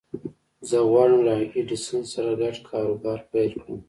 زه غواړم له ايډېسن سره ګډ کاروبار پيل کړم.